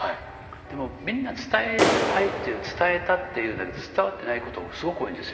でもみんな伝えたいって言う伝えたって言うんだけど伝わってないことがすごく多いんですよ。